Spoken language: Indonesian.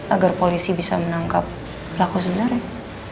agar polisi bisa menangkap pelaku sebenarnya